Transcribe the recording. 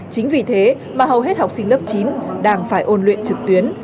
chính vì thế mà hầu hết học sinh lớp chín đang phải ôn luyện trực tuyến